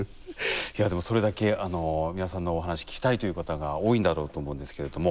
いやでもそれだけ美輪さんのお話聞きたいという方が多いんだろうと思うんですけれども。